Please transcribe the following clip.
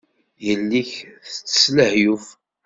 Yelli-k tettess lehyuf.